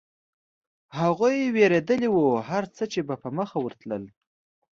هغوی وېرېدلي و، هرڅه چې به په مخه ورتلل.